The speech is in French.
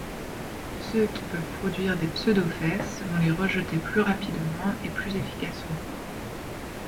Ceux qui peuvent produire des pseudofèces vont les rejeter plus rapidement et plus efficacement.